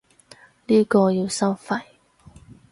呢個要收費